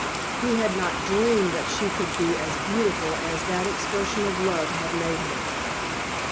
He had not dreamed that she could be as beautiful as that expression of love had made her.